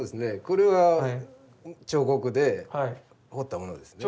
これは彫刻で彫ったものですね。